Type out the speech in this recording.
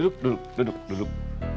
duduk duduk duduk duduk